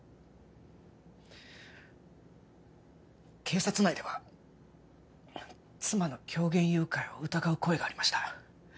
警察内では妻の狂言誘拐を疑う声がありました